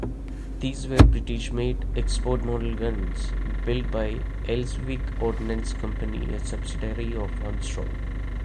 These were British-made export-model guns built by Elswick Ordnance Company, a subsidiary of Armstrong.